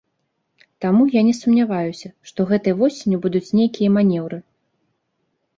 Таму я не сумняваюся, што гэтай восенню будуць нейкія манеўры.